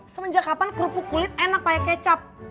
semenjak kapan kerupuk kulit enak pakai kecap